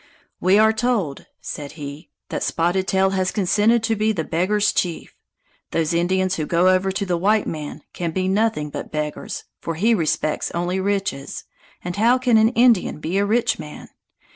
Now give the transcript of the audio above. "We are told," said he, "that Spotted Tail has consented to be the Beggars' Chief. Those Indians who go over to the white man can be nothing but beggars, for he respects only riches, and how can an Indian be a rich man?